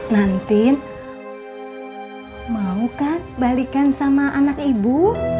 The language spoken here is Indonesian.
nantin mau kan balikan sama anak ibu